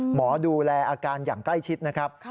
หมอดูแลอาการอย่างใกล้ชิดนะครับ